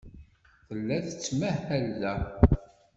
Tella tettmahal da.